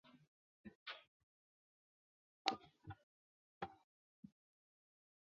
唐懿宗最初任其子张简会为留后。